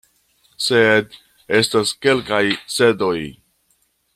Sed – estas kelkaj sed-oj.